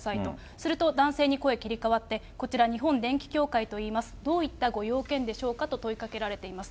すると、男性に声、切り替わって、こちら、日本電気協会といいます、どういったご用件でしょうかと問いかけられています。